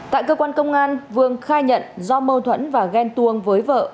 tại cơ quan công an vương khai nhận do mâu thuẫn và ghen tuông với vợ